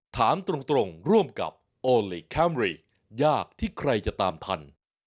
ถามตรงร่วมกับโอลี่คัมรี่ยากที่ใครจะตามทัน